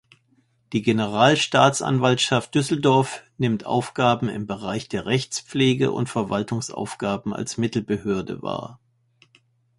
Die Generalstaatsanwaltschaft Düsseldorf nimmt Aufgaben im Bereich der Rechtspflege und Verwaltungsaufgaben als Mittelbehörde wahr.